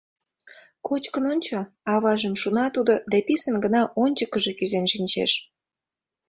— Кочкын ончо, — аважым шуна тудо да писын гына ончыкыжо кӱзен шинчеш.